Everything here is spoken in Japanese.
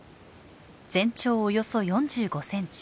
全長およそ４５センチ。